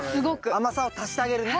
甘さを足してあげるね。